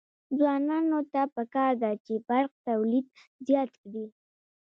ځوانانو ته پکار ده چې، برق تولید زیات کړي.